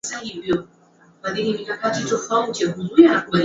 Wanyama wenye ugonjwa wa mkojo mwekundu hukosa hamu ya kula